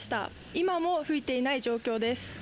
今も吹いていない状況です。